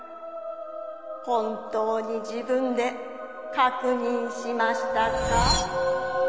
本当に自分で確認しましたか？